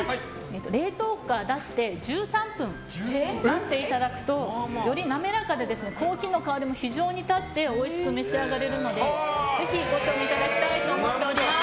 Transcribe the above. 冷凍庫から出して１３分待っていただくとより滑らかでコーヒーの香りも非常に立っておいしく召し上がれるのでぜひご賞味いただきたいと思っております。